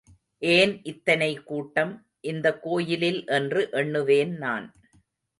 ஏன் இத்தனை கூட்டம் இந்தக் கோயிலில் என்று எண்ணுவேன் நான்.